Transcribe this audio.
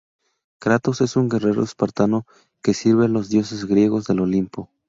Kratos es un guerrero espartano que sirve a los dioses griegos del Olimpo.